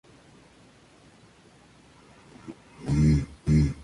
Por último, el Piadoso y Antiquísimo Coro de Ntro.